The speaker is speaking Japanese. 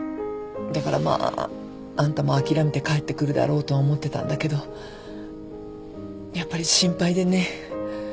だからまああんたも諦めて帰ってくるだろうとは思ってたんだけどやっぱり心配でね。